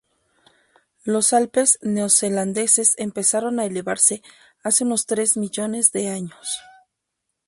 Los Alpes Neozelandeses empezaron a elevarse hace unos tres millones de años.